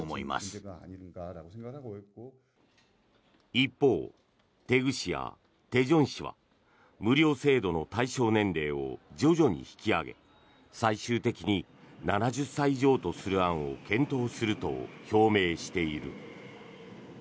一方、大邱市や大田市は無料制度の対象年齢を徐々に引き上げ最終的に７０歳以上とする案を検討すると表明している。